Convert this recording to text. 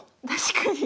確かに。